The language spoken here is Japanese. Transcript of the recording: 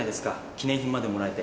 記念品までもらえて。